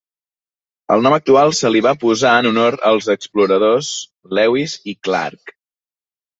El nom actual se li va posar en honor als exploradors Lewis i Clark.